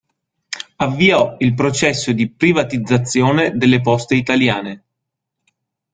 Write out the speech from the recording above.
Avviò il processo di privatizzazione delle Poste italiane.